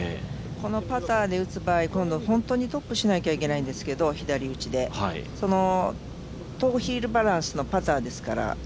このパターで打つ場合、本当にトップしないといけないんですが、左打ちで、このヒールバランスのパターですから。